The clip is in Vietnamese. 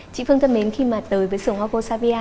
chị phương thân mến khi mà tới với sổ hoa của savia